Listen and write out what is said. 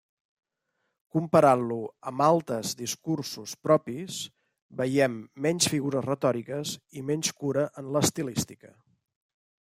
Comparant-lo amb altes discursos propis, veiem menys figures retòriques i menys cura en l'estilística.